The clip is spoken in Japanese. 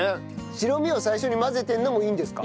白身を最初に混ぜてるのもいいんですか？